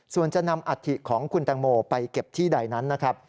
ส่วนจะนำอัฐิของคุณแตงโมไปเก็บที่ใดนั้นนะครับ